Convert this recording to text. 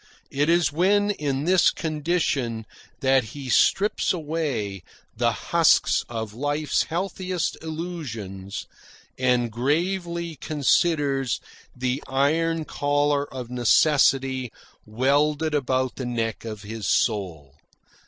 It is when in this condition that he strips away the husks of life's healthiest illusions and gravely considers the iron collar of necessity welded about the neck of his soul.